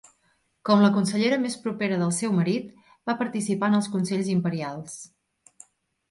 Com la consellera més propera del seu marit, va participar en els consells imperials.